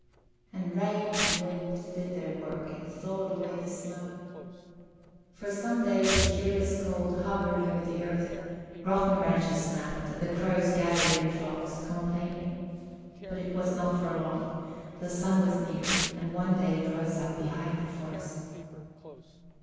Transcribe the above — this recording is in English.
And rain and wind did their work, and thawed away the snow. For some days a cheerless cold hovered over the earth; rotten branches snapped, and the crows gathered in flocks, complaining. But it was not for long; the sun was near, and one day it rose up behind the forest.